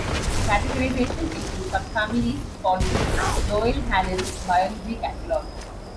The categorization into subfamilies follows Joel Hallan's Biology Catalog.